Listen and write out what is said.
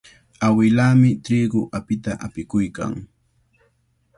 Awilaami triqu apita apikuykan.